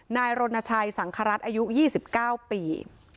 นายรณชัยสังฆรัฐอายุยี่สิบเก้าปี